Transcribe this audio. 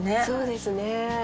そうですね。